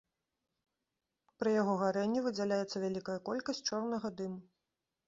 Пры яго гарэнні выдзяляецца вялікая колькасць чорнага дыму.